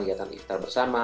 kegiatan iftar bersama